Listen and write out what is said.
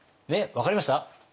分かりました？